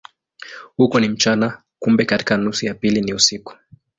Huko ni mchana, kumbe katika nusu ya pili ni usiku.